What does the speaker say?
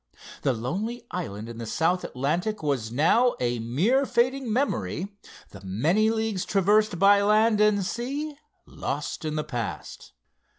The lonely island in the South Atlantic was now a mere fading memory, the many leagues traversed by land and sea lost in the past.